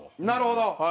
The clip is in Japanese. なるほど！